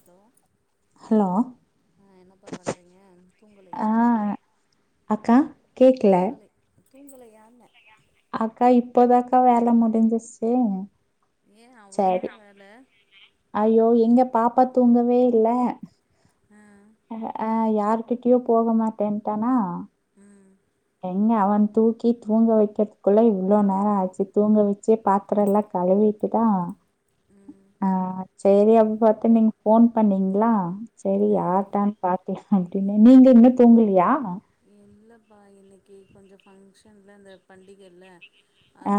Hello hello ஆ என்னப்பா பண்றீங்க ஆ தூங்கலயா அக்கா கேக்கல தூங்கலை தூங்கலையான்னே அக்கா இப்பதாக்கா வேல முடிஞ்சிச்சி ஏ அவ்ளோ என்ன வேல ஐயோ எங்க பாப்பா தூங்கவே இல்ல ஆ ஆ யாருகிட்டயு போகமாட்டேன்ட்டானா ம் எங்க அவன தூக்கி தூங்க வைக்கிறதுக்குள்ள இவ்ளோ நேரோ ஆயிருச்சி தூங்க வச்சி பாத் தரோல்லா கழுவீட்டுதா ம் ஆ சேரி அப்பபாத்து நீங்க ஃபோன் பண்ணீங்களா சரி ஆ யார்தான்னு பாக்கலா அப்டின்னு நீங்க இன்னு தூங்கலியா இல்லப்பா இன்னக்கி கொஞ்ச ஃபங்க்ஷன்ல இந்த பண்டிகையில்ல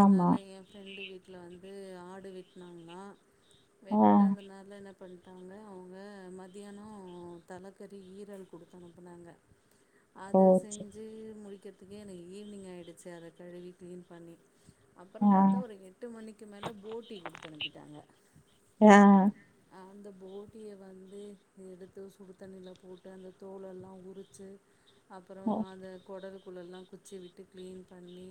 ஆமா ஏ ஃப்ரெண்டு வீட்ல வந்து ஆடு வெட்னாங்களா ஆ வெட்டதுனால என்ன பண்ணிட்டாங்க அவுங்க மதியானோ தலக்கறி ஈரல் குடுத்து அனுப்புனாங்க ஓ அத சரி செஞ்சி முடிக்கிறதுக்கே எனக்கு ஈவினிங் ஆயிடுச்சி அத கழுவி க்ளீன் பண்ணி அப்பறோ ஆ பாத்தா ஒரு எட்டு மணிக்கி மேல போட்டி குடுத்து அனுப்பிட்டாங்க ஆ அந்த போட்டிய வந்து எடுத்து சுடு தண்ணில போட்டு அந்த தோலெல்லா உருச்சி அப்பறோ அந்த குடல்க்குள்ளலா குச்சிய விட்டு க்ளீன் பண்ணி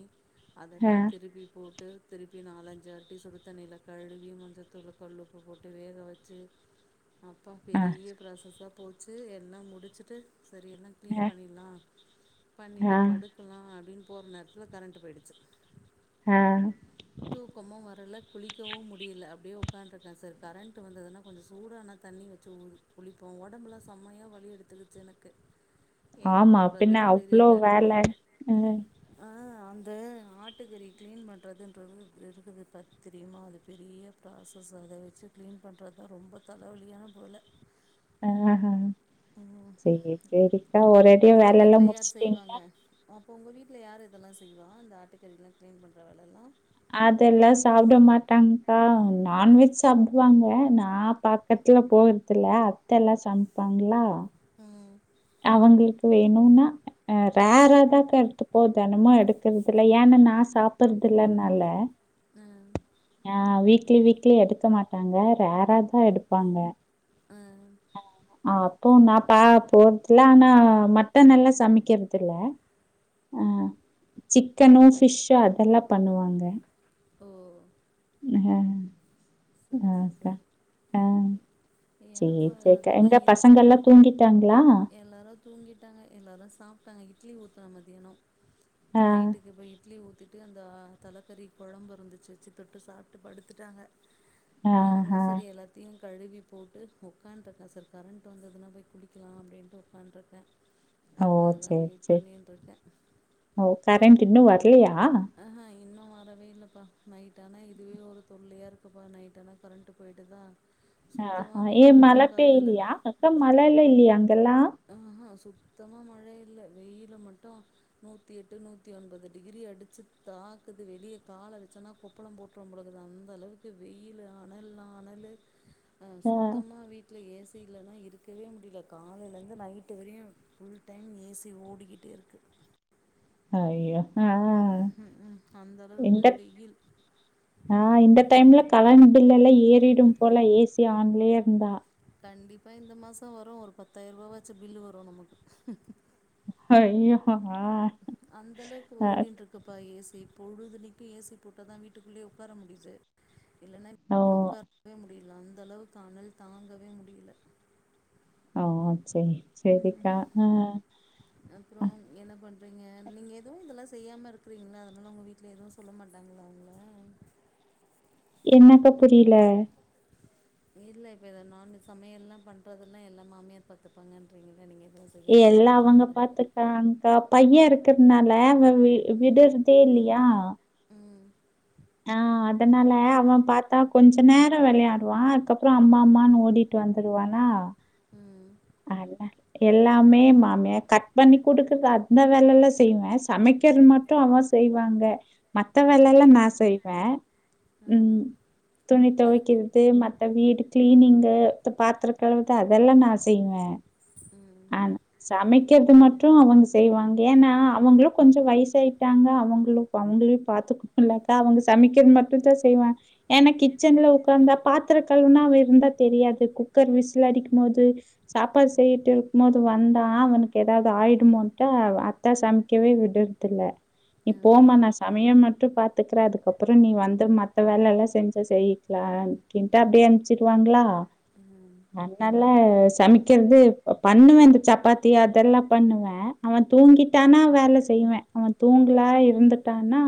ஆ அதெல்லா திருப்பி போட்டு திருப்பி நாலஞ்சி வாட்டி சுடுதண்ணில கழுவி மஞ்சத்தூள் கல்லுப்பு போட்டு வேக வச்சு அப்பா ஆ பெரிய ப்ராசஸ்ஸா போச்சு எல்லா முடிச்சுட்டு செரி எல்லா க்ளீன் அ பண்ணிர்லா ஆ பண்ணிட்டு படுக்கலா அப்டின்னு போற நேரத்துல கரண்ட் போயிடுச்சு ஆ தூக்கமு வரல குளிக்கவு முடியல அப்டியே ஒக்கான்டு இருக்கே செரி கரண்ட் வந்ததுன்னா கொஞ்ச சூடான தண்ணி வெச்சு குளிப்போ ஒடம்புலா செம்மையா வழி எடுத்துக்குச்சு எனக்கு என்ன ஆமா பின்ன பண்றதுன்னு அவ்ளோ தெரியுல வேல அ ஆ அந்த ஆட்டுக்கறி கிளீன் பண்றதுன்றது இருக்குதுப்பார் தெரியுமா அது பெரிய ப்ராசஸ் அத வெச்சு க்ளீன் பண்றதுதா ரொம்ப தலைவலியான போல ஆ ஹ செரி செரி அக்கா ஒரேடியா உங்கள் வேலை எல்லா வீட்ல யார் முடிச்சுட்டீங்களா செய்வாங்க அப்போ உங்க வீட்ல யார் இதெல்லா செய்வா இந்த ஆட்டுக்கறி எல்லா க்ளீன் பண்ணுற வேலை எல்லா அதெல்லா சாப்புட மாட்டாங்க்கா நான்வெஜ் சாப்புடுவாங்க நா பா பக்கத்துல போறது இல்ல அத்த எல்லா சமைப்பாங்களா ம் அவங்குளுக்கு வேணும்னா அ ரேரா தா அக்கா எடுத்துப்போ தினமோ எடுக்கறத இல்ல ஏன்னா நா சாப்பறது இல்லனால ஆ அ வீக்லி வீக்லி எடுக்க மாட்டாங்க ரேராதா உ எடுப்பாங்க ம் அப்ப நா ப போ இல்ல ஆனா மட்டனெல்லா சமைக்குறது இல்ல ஆ சிக்கனோ ஃபிஷ்ஷு அதெல்லா பண்ணுவாங்க ஓ ஓ ஆஹ ஆஹ சரி அக்கா சரி ஆஹ செரி எனக்கும் செரி அக்கா அதுதா எங்க இது பசங்க எல்லா தூங்கிட்டாங்களா எல்லாரு தூங்கிட்டாங்க எல்லாரு சாப்ட்டாங்க இட்லி ஊத்தன மத்தியானோ ஆ நைட்டுக்கு இப்ப இட்லி ஊத்திட் அப்டியே அந்த தலக்கறி கொழம்பு இருந்துச்சு வெச்சு தொட்டு சாப்ட்டு படுத்துட்டாங்க நானு ஆஹா. செரி எல்லாத்தையு கழுவி போட்டு ஒக்கான்ட்ருக்கறே செரி கரண்ட்டு வந்ததுனா போய் குளிக்கலா அப் டீன்ட்டு ஒக்காண்ட்ருக்க ஓ! அதுக்காதா சேரி வெயிட் சேரி. பண்ணின்ட்ருக்கே ஓ கரண்ட் இன்னோ வரலையா ஆஹா இன்னு வரவே இல்லப்பா நைட் ஆனா இதுவே ஒரு தொல்லையா இருக்குப்பா நைட் ஆனா கரண்ட்டு போய்டு தா ஆஹ ஏ மழப் பேய்லையா இப்போ மழ எல்லா இல்லயா அங்கல்லா ஆஹா சுத்தமா மழ இல்ல வெயிலு மட்டு நூத்தி எட்டு நூத்தி ஒன்பது டிகிரி அடிச்சு தாக்குது வெளியே கால வெச்சோனா கொப்ப ளோ போட்றோ போலக்குது அந்த அளவுக்கு வெயில் அனல்னா அனலு ஆ சுத்தமா வீட்ல ஏ சி இல்லன்னா இருக்கவே முடியல காலைலந்து இந்து night very full time A C ஓடிக்கிட்டே இருக்கு அய்யோ ஆ ஆ ம் ம் அந்த அளவுக்கு இங்க வெயில் ஆ இந்த டைம்ல கரண்ட் பில் எல்லா ஏறிடோ போல ஏ சி ஆன்லயே இருந்தா கண்டிப்பா இந்த மாசோ வரோ ஒரு பத்தாயிரபாச்சு பில்லு வரோ நமக்கு அய்யோ ஆஹ ஆ அந்த அளவுக்கு ஆ ஓடின்ட்ருக் இருக்கப்பா ஏ சி பொழுதுனிக்கி ஏ சி போட்டா தா வீட்டுக்குள்ளயே ஒக்கார முடிது இல்லன்னா ஓ! வீட்டுக்குள்ள ஒக்காரவே முடியுல அந்த அளவுக்கு அனல் தாங்கவே முடியுல ம் ம் செரி செரிக்கா ஆ அப்புறோ நீங்க என்ன பண்றீங்க நீங்க எதுவு இதெல்லா செய்யாம இருக்கறீங்களா அதனால உங்க வீட் அப்டி எதுவு சொல்ல மாட்டாங்களா உங்கள என்னக்கா புரியுல இல்ல இப்ப இத நானு சமையெல்லா பண்றதெல்லா எல்லா மாமியார் பாத்துப்பாங்கன்றீங்கள நீங்க ஏதாவ எல்லா அவங்க பாத்து கா அங்கா பைய இருகறனால அவ வி விடறதே இல்லையா ம் ஆ அதனால அவ பாத்தா கொஞ்ச நேரோ வெளையாடுவா அதுக்கப்புற அம்மா அம்மான்னு ஓடி ட்டு வந்துருவானா ம் அதா எல்லாமே மாமிய கட் பண்ணி குடுக்குறது அந்த வேலைல்லா செய்வே சமைக்கிறது மட் டு அவ செய்வாங்க மத்த ஆ, வேல எல்லா நா செய்வே ஆ. ம் துணி அதுக்கு தொவைக்கற து மத்த வீடு கிளீனிங்கு பாத்தர கழுவுறது அதெல்லா நா செய்வே ம் ஆ ம் சமைக்கிறது மட்டு அவங்க செய்வாங்க ஏன்னா அவங்களு கொஞ்சோ வயசாயிட்டாங்க அவங்களு இப்ப அவங்களையு பாத்துக்கணும்லாக்கா அவங்க சமைக்கிறது மட்டு தா செய்வாங் ஏன்னா கிச்சன்ல உக்காந்தா பாத்திர கழவுனா அவ இருந்தா தெரியாது குக்கர் விசல அடிக்கு போது சாப்பாடு செய்யிட்டு இருக்கும் போது வந்தா அவனுக்கு ஏதாவது ஆயிடுமோட்டு அத்தா சமைக்கவே விடு தில்ல நீ ஆ, போமா நா சமயம் மட்டு பாத் கத்துக்கற அதுக்கப்புற நீ வந்து மத்த வேலெல்லா செஞ்ச செய்யிக்கலா கின்ட்டு அப்டியே அனுப்பிச்சிருவாங்களா ம் நல்லா சமைக்கிறது பண்ணுவே இந்த சப்பாத்தி அதெல்லா பண்ணுவே அவ தூங்கிட்டானா வேல செய்வே அவ தூங்கலா இருந்துட்டானா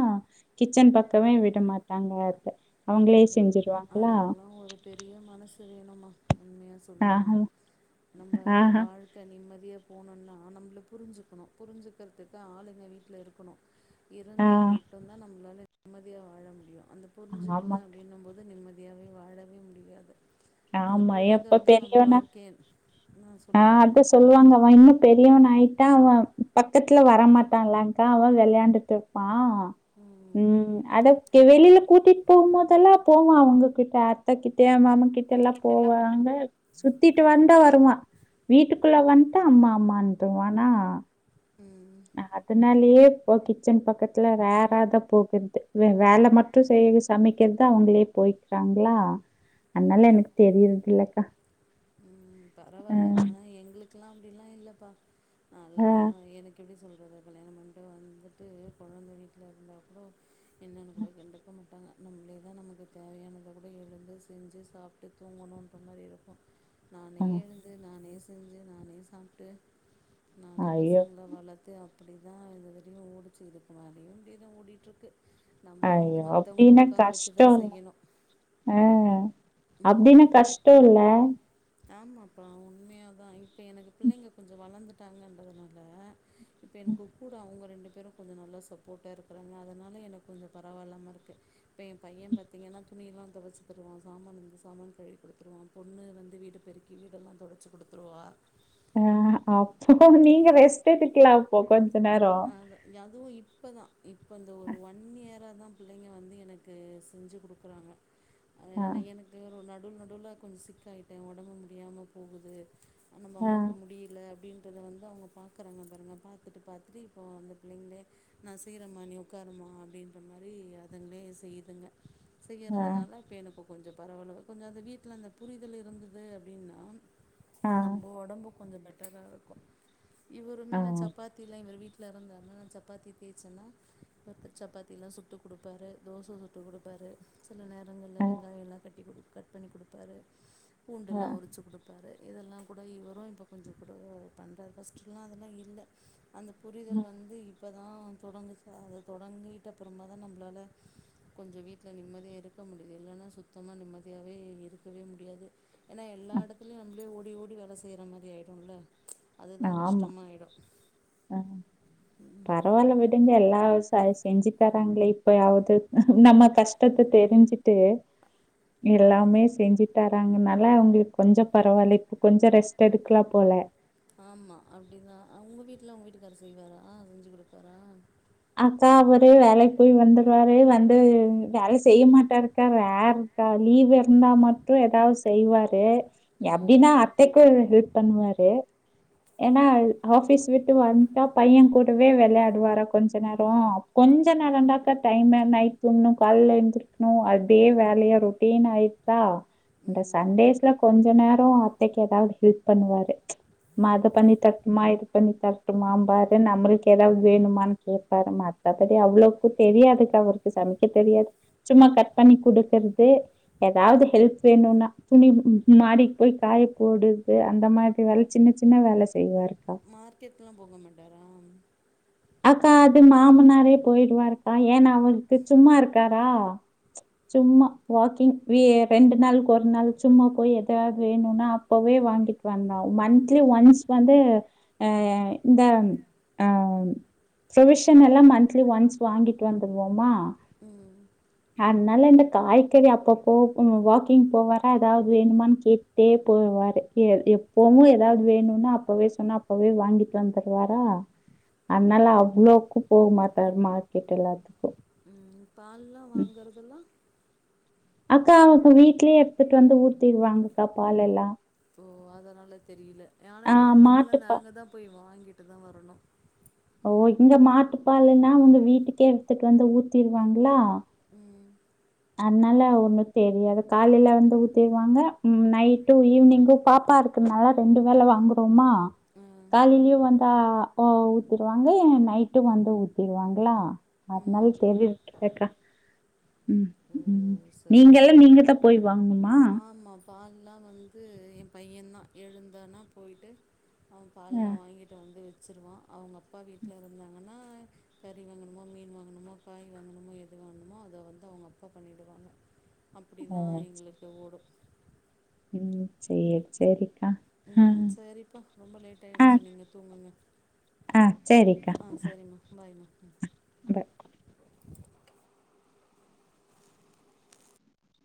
கிச்சன் பக்கமே விட மாட்டாங்க இப்ப ஆனா அது அதுக்கெல்லா ஒரு பெரிய மனசு வேணமா உண்மையா சொ சொன்னான ஆஹ நம்ம ஆஹ வாழ் க நிம்மதியா போகணுனு ஆ நம்பல புரிஞ்சுக்கணு புரிஞ்சுக்கறதுக்கு ஆளுங்க வீட்டுல இருக்கணும் ஆ இருந்தா மட்டும்தா நம்மளால நிம்மதியா வாழ முடியு அந்த புரிஞ்சு ஆமா அப்டின்னு போது நிம்மதியாவே வாழவே முடியாது அந்த ஆமா எப்ப புரிதல் தான் நம்ம பெரியோவனா வாழ்க்கையே ஆ சொல்லுங்க அத சொல்லுங்க சொல்லுவாங்க வா இன்னு பெரியவன் ஆயிட்டா அவ பக்கத்துல வரமாட்டான்ல்கா அவ வெளையாண்டுட்டு இருப்பா ம் அது கே வெளியில கூட்டிட்டு போகும் போதெல்லா போவா அவங்ககிட்ட அத்தகிட்டே மாமா கிட்ட நம்ம எல்லா எல்லாம் போவாங்க சுத்திட்டு வந்தா வருவா வீட்டுக்குள்ள வந்ட்டா அம்மா அம்மாட்டுவானா ம் அதனாலயே இப்போ கிச்சன் பக்கத்துல வேற தா போகுது வேலை மட் டு செய் சமைக்கிறதுத அவங்களே போய்க்கிறாங்களா அனால எனக்கு தெரியறதுலக்கா ம் பரவாயில்ல ஆனா எங்களுக்கெல்லா அப்டிலா இல்லப்பா ஆ, நல்லா எனக்கு எப்டி சொல்றது கல்யாணம் பண்ணிட்டு வந்துட்டு கொழந்தை வீட்ல இருந்தா கூட என்னன்னு கூட கண்டுக்க மாட்டாங்க நம்மளே தா நமக்கு தேவையானதை கூட எழுந்து செஞ்சு சாப்பிட்டு தூங்கணுன்ற மாரி இருக்கு நானே ஆ, எழுந்து நானே செஞ்சு நானே சாப்ட்டு நான ஐயோ! பசங்களை வளத்து அ அப்டி தா இது வரைக்கு ஓடிச்சு இதுக்குமேலயு இப்டியே தா ஓடிட்டுருக்கு நம்ம வந்து ஐயோ! மத்தவங்கள அப்டின்னா உக்கார வெச்சுதா கஷ்டம் இல்ல. செய்யணு ஆ அப்டின்னா கஷ்டோல்ல ஆமாப்பா உண்மையாதா இப்போ எனக்கு பிள்ளைங்க கொஞ்சோ வளந்துட்டாங்கன்றதுனால இப்ப எனக்கு கூட அவுங்க ரெண்டு பேரும் கொஞ்சோ நல்லா சப்போர்ட்டா இருக்கறாங்க அதனால எனக்கு கொஞ்சோ பரவால்லாம இருக்கு இப்ப என் பைய பாத்தீங்கன்னா துணி எல்லா தொவச்சு தருவா சாமான் வந்து சாமான் கழுவி கொடுத்துருவா பொண்ணு வந்து வீட் டு பெருக்கி வீடெல்லா தொடச்சி குடுத்துருவா அ அப்பட்டா நீங்க ரெஸ்ட் எடுக்கலாம் இப்போ கொஞ்ச நேரோ ஆக ரகுவு இப் இப்ப தா இப்ப இந்த ஒரு ஒன் இயரா தா பிள்ளைங்க வந்து எனக்கு செஞ்சு குடுக்குறாங்க ஆ ஏன்னா எனக்கு வேற நடுவ்ல நடுவ்ல கொஞ்சோ சிக் ஆயிட்ட ஒடம்பு முடியாம போகுது நம்ப ஆ, அம்மாக்கு முடியல அப்படின்றத வந்து அவுங்க பாக்குறாங்க பாருங்க பாத்துட்டு பாத்துட்டு இப்போ அந்த பிள்ளைங்ளே நா செய்றமா நீ ஒக்காருமா அப்டின்ற மாரி அதுங்ளே செய்துங்க ஆ, செய்யறதுனால இப்போ எனக்கு கொஞ்சோ பரவால கொஞ்சோ அந்த வீட்ல அந்த புரிதல் இருந்துது அப்டின்னா ஆ, நம்ப ஒடம்பு கொஞ்சோ பெட்டரா இருக்கோ இவருமே ஆ, நா சப்பாத்தில்லா எங்க வீட் ல இருந்தாருனா சப்பாத்தி தேய்சன்னா மொத்த சப்பாத்தில்லா சுட்டு குடுப்பாரு தோச ஊத்தி குடுப்பாரு சில நேரங்கள்ல ஆ, ஆ, வெங்காய எல்லா கட்டி குடு கட் பண்ணி குடுப்பாரு பூண்டெல்லா உரிச்சு குடுப் பாரு இதெல்லா கூட இவரும் இப்போ கொஞ்சோ கூட பண்ணுறாரு ஃபர்ஸ்ட்டுலா அதெல்லா இல்ல ஆ. புரிதல் வந்து இப்போ தா தொடங்குச்சு அத தொடங்கிட்டப்புறமா தா நம்ளால கொஞ்சோ வீட்ல நிம்மதியா இருக்க முடியுது இல்லனா சுத்தமா நிம்மதியாவே இருக்கவே முடியாது ஏன்னா எல்லா எடத்துலயு வந்து ஓடி ஓடி வேல செய்ற மாதிரி ஆய்டோம்ல அதுதா ஆமா. கஷ்டமாயிடோ அ பரவால்ல விடுங்க எல்லா சய் செஞ்சு தராங்களே இப்பவாவ்து நம்ம கஷ்டத்த தெரிஞ்சுட்டு எல்லாமே செஞ்சு தராங்கனால அவுங்குளுக் கொஞ்சம் பரவால்ல இப்ப கொஞ்சோ ரெஸ்ட் எடுக்கலா போல ஆமா அப்டிதா அ உங்க வீட்ல உங்க வீட்டுக்காரு செய்வாரா ஆஞ்சு குடுப்பாரா அக்கா அவரு வேலைக் போய் வந்துருவாரு வந்து வேலை செய்ய மாட்டாருக்கா வேற ப்ப லீவ் இருந்தா மட்டு எதாவ் செய்வாரு ம் தைக்கு ஹெல்ப் பண்வாரு ஏன்னா ஆஃபிஸ் விட்டு வந்ட்டா பையன் கூடவே வெள்யாடுவாரு கொஞ்ச நேரோ கொஞ்ச நேரந்தாக்கா டைம்மே நைட் இன்னும் கால்ல எஞ்சி ஆ அதே வேலையா ரொட்டீன் ஆய்ச்சா இந்த ம் சண்டேஸ்ல கொஞ்ச நேரோ அத்தைக்கு எதாவ்து ஹெல்ப் பண்வாரு மா அத பண்ணி தர்ட்டுமா இது பண்ணி தர்ட்டுமாம்பாரு நம்பளுக் எதாவ்து வேணுமான் கேப்பாரு மத்தப்படி அவ்ளவுக்கு தெரியாதுக்கா அவருக்கு சமைக்க தெரியாது சும்மா கட் பண்ணி குடுக்கற்து எதாவ்து ஹெல்ப் வேணும்னா துணி மாடிக்கு போய் காய போடுது அந்த மாரி வேல சின்ன சின்ன வேல செய்வாருக்கா மார்க்கெட்லா போக மாட்டாரா அக்கா அது மாமனாரே போயிடுவாருக்கா ஏன்னா அவரு இப்ப சும்மா இருக்காரா சும்மா வாக்கிங் ஏ ரெண்டு நாளுக் ஒரு நாள் சும்மா போய் எதாவ்து வேணும்னா அப்பவே வாங்கிட் வந்தாரு மந்த்லி ஒன்ஸ் வந்து ஆ இந்த ஆ ப்ரொவிஷன் எல்லா மந்த்லி ஒன்ஸ் வாங்கிட்டு வந்துருவோமா ம் அதுனால இந்த காய்கறி அப்பப்போ வாக்கிங் போவாரா எதாவது வேணுமானு கேட் டுட்டே போவாரு கீழ எப்பவு எதாவது வேணுனா அப்பவே சொன்னா அப்பவே வாங்கிட்டு வந்துருவாரா அதனால அவ்வளோக்கு போகமாட்டார் மார்க்கெட் எல்லாத்துக்கு ம் பால்லா வாங்கறதெல்லா அக்கா அவுங்க வீட்லயே எடுத்துட்டு வந்து ஊத்திடுவாங்கக்கா பால் எல்லா ஓ அதனால தெரியல ஆனா ஆ எங்களுக்கெல்லா மாட்டுப்பா நாங்க தா போய் வாங்கிட்டு தா வரணு ஓ இங்க மாட்டுப்பால்ன்னா உங்க வீட்டுக்கே எடுத்துட்டு வந்து ஊத்திருவாங்களா ம் அதனால ஒன்னு தெரியாது காலையில வந்து ஊத்திருவாங்க நைட்டு ஈவினிங்கு பாப்பா இரு கனால ரெண்டு வேள வாங்குறோமா ம் காலையிலையும் வந்தா ஊத்திருவாங்க நைட்டு வந்து ஊத்திருவாங்களா அதனால ம் சேரின் விட்டுட்டேங்கா ஓ சரி நீங்கலா நீங்க தா போய் வாங்கணுமா பால்லா வந்து எ பையன் தா எழுந்தானா போய்ட்டு அவ ஆ பால்லா வாங்கிட்டு வந்து வச்சிருவா அவுங்க அப்பா வீட்ல இருந்தாங்கன்னா கறி வாங்கணுமா மீன் வாங்கணுமா காய் வாங்கணுமா எது வாங்கணுமோ அத வந்து அவுங்க அப்பா பண்ணிடுவாங்க அப்டி ஓ தா எங்களுக்கு ஓடும் சேரி சேரிக்கா ஆ ம் சரிப்பா ரொம்ப லேட் ஆ ஆயிடுச்சி நீங்க தூங்குங்க ஆ சேரிக்கா ஆ செரிமா பாய்மா [inaudible]